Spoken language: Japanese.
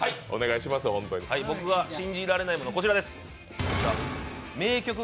僕が信じられないもの、こちらです。